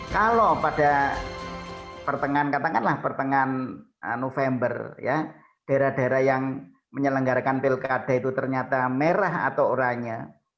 kalau pada pertengahan november daerah daerah yang menyelenggarakan pilkada itu ternyata merah atau oranya